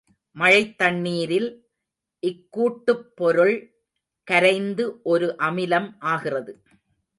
மழைத் தண்ணீரில் இக்கூட்டுப்பொருள் கரைந்து ஒரு அமிலம் ஆகிறது.